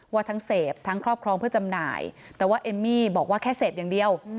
ว่าทั้งเสพทั้งครอบครองเพื่อจำหน่ายแต่ว่าเอมมี่บอกว่าแค่เสพอย่างเดียว